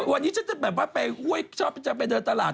วันนี้ชอบจะไปเดินตลาด